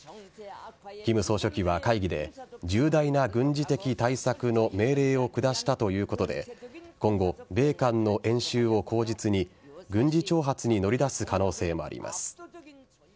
金総書記は会議で重大な軍事的対策の命令を下したということで今後、米韓の演習を口実に軍事挑発に乗り出す可能性もあります。